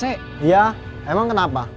iya emang kenapa